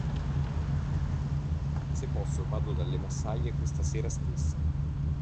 Se posso vado dalle massaie questa sera stessa.